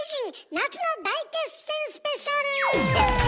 夏の大決戦スペシャル」！